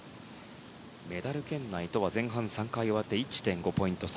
メダル圏内とは前半３回終わって１．５ポイント差。